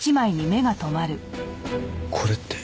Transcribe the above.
これって。